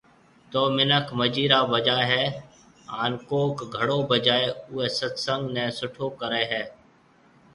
تو منک مجيران بجائي ھيَََ ھان ڪوڪ گھڙو بجائي اوئي ست سنگ ني سٺو ڪري ھيَََ